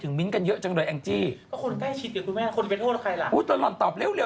แต่สงการเขาบอกอะไร